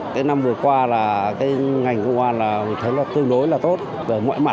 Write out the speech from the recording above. cái năm vừa qua là cái ngành công an là mình thấy là tương đối là tốt về mọi mặt